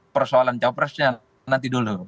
persoalan cawapresnya nanti dulu